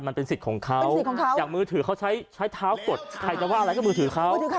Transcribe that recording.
มันเป็นสิทธิ์ของเขาอย่างมือถือเขาใช้เท้ากดใครจะว่าอะไรก็มือถือเขา